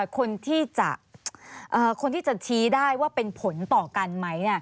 คนที่จะชี้ได้ว่าเป็นผลต่อกันไหม